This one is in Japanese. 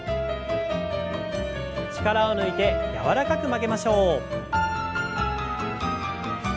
力を抜いて柔らかく曲げましょう。